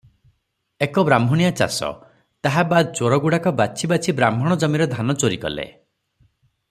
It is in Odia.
ଏକ ବ୍ରାହ୍ମଣିଆ ଚାଷ, ତାହା ବାଦ୍ ଚୋରଗୁଡ଼ାକ ବାଛି ବାଛି ବ୍ରାହ୍ମଣ ଜମିର ଧାନ ଚୋରି କଲେ ।